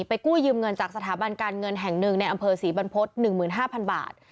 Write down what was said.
กู้ยืมเงินจากสถาบันการเงินแห่งหนึ่งในอำเภอศรีบรรพฤษ๑๕๐๐๐บาท